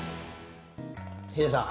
ヒデさん。